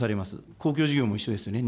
公共事業も一緒ですよね。